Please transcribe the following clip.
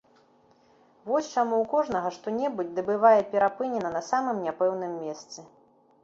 Вось чаму ў кожнага што-небудзь ды бывае перапынена на самым няпэўным месцы.